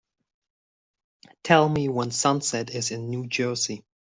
Tell me when Sunset is in New Jersey